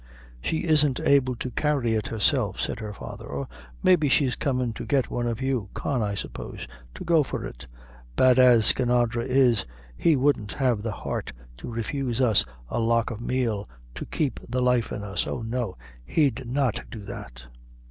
"She isn't able to carry it herself," said their father; "or maybe she's comin' to get one of you Con, I suppose to go for it. Bad as Skinadre is, he wouldn't have the heart to refuse us a lock o' meal to keep the life in us. Oh! no, he'd not do that."